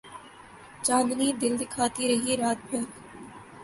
چاندنی دل دکھاتی رہی رات بھر